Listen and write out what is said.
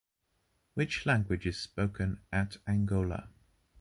Which language is spoken at Angola?